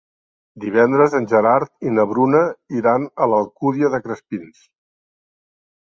Divendres en Gerard i na Bruna iran a l'Alcúdia de Crespins.